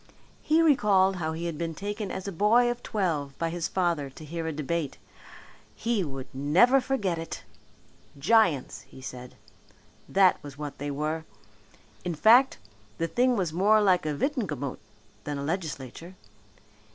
He recalled how he had been taken as a boy of twelve by his father to hear a debate. He would never forget it. Giants! he said, that was what they were. In fact, the thing was more like a Witenagemot than a legislature.